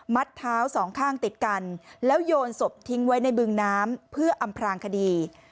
เท้าสองข้างติดกันแล้วโยนศพทิ้งไว้ในบึงน้ำเพื่ออำพลางคดี